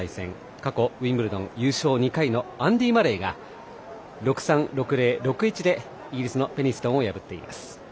過去、ウィンブルドン優勝２回のアンディ・マレーが６−３、６−０、６−１でイギリスのペニストンを破っています。